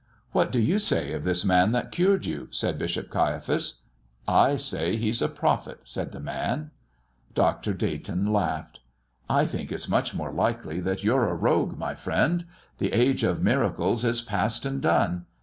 "What do you say of this Man that cured you?" said Bishop Caiaphas. "I say he's a prophet," said the man. Dr. Dayton laughed. "I think it's much more likely that you're a rogue, my friend. The age of miracles is past and done.